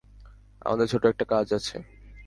আমাদের ছোট একটা কাজ আছে।